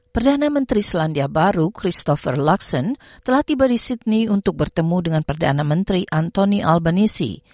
perdana menteri selandia baru christopher lackson telah tiba di sydney untuk bertemu dengan perdana menteri antoni albanisi